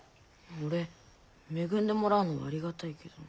俺恵んでもらうのはありがたいけど。